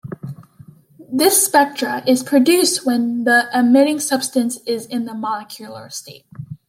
This spectra is produced when the emitting substance is in the molecular state.